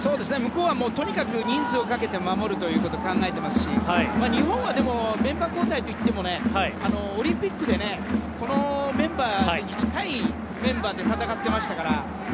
向こうは人数をかけて守るということを考えていますし日本は、メンバー交代といってもオリンピックでこのメンバーに近いメンバーで戦っていましたから。